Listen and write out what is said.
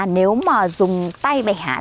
nếu mà dùng tay bẻ hát